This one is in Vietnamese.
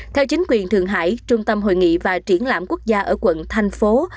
theo chính quyền thượng hải trung tâm hội nghị và triển lãm quốc gia ở quận thành phố